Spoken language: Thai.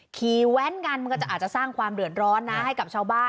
แว้นกันมันก็จะอาจจะสร้างความเดือดร้อนนะให้กับชาวบ้าน